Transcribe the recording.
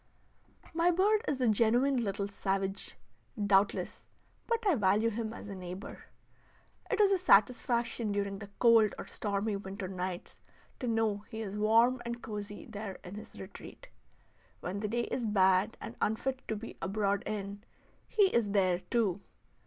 My bird is a genuine little savage, doubtless, but I value him as a neighbor. It is a satisfaction during the cold or stormy winter nights to know he is warm and cosy there in his retreat. When the day is bad and unfit to be abroad in; he is there too.